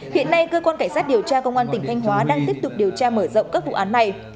hiện nay cơ quan cảnh sát điều tra công an tỉnh thanh hóa đang tiếp tục điều tra mở rộng các vụ án này